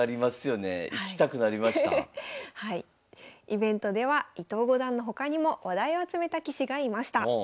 イベントでは伊藤五段の他にも話題を集めた棋士がいました。